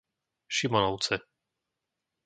Šimonovce